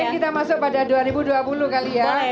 kita masuk pada dua ribu dua puluh kali ya